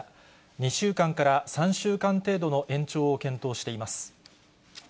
２週間から３週間程度の延長を検討しています。